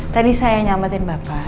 tadi saya yang nyelamatkan bapak